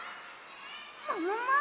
ももも！